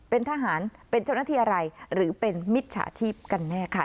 เป็นทหารเป็นเจ้าหน้าที่อะไรหรือเป็นมิจฉาชีพกันแน่ค่ะ